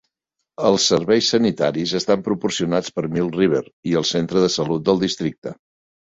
Els serveis sanitaris estan proporcionats per Milk River i el centre de salut del districte.